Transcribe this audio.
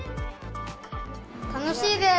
楽しいでーす。